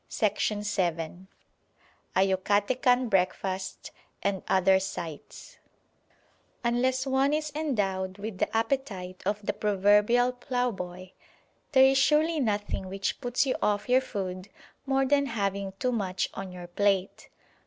CHAPTER V A YUCATECAN BREAKFAST, AND OTHER "SIGHTS" Unless one is endowed with the appetite of the proverbial ploughboy there is surely nothing which puts you off your food more than having too much on your plate.